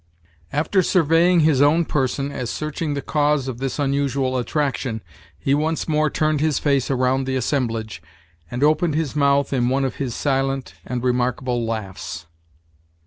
After surveying his own person, as searching the cause of this unusual attraction, he once more turned his face around the assemblage, and opened his mouth in one of his silent and remarkable laughs.